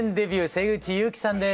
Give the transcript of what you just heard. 瀬口侑希さんです。